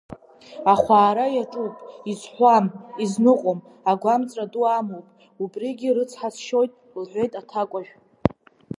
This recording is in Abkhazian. Ахәаара иаҿуп, изҳәуам, изныҟәом, агәамҵра ду амоуп, убригьы рыцҳасшьоит, — лҳәеит аҭакәажә.